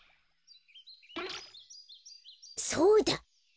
そうだ！